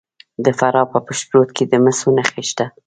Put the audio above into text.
د فراه په پشت رود کې د مسو نښې شته.